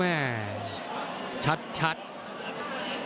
แม่ชัดเปรี้ยง